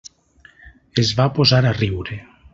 Es va posar a riure.